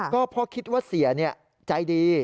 ก็เพราะคิดว่าเสียใจดี